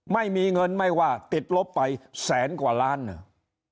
ไม่มีเงินไม่ว่าติดลบไปแสนกว่าล้านเนี่ย